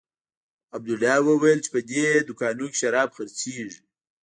عبدالله وويل چې په دې دوکانو کښې شراب خرڅېږي.